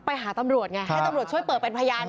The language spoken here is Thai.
ไปหาตำรวจไงให้ตำรวจช่วยเปิดเป็นพยาน